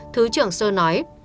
thứ trưởng sơn nói